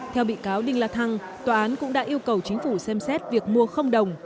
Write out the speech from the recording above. theo bị cáo đinh la thăng tòa án cũng đã yêu cầu chính phủ xem xét việc mua đồng